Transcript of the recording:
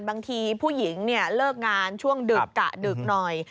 บางทีผู้หญิงเนี่ยเลิกงานช่วงดึกกะดึกหน่อย